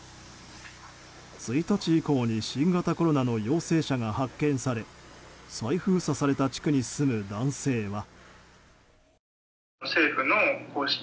１日以降に新型コロナの陽性者が発見され再封鎖された地区に住む男性は。